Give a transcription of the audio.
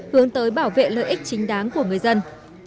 hướng tới bảo vệ lợi ích chính đáng của người dân